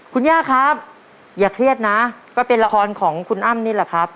คุณย่าครับอย่าเครียดนะก็เป็นละครของคุณอ้ำนี่แหละครับ